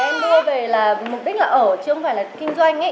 em mua về là mục đích là ở chứ không phải là kinh doanh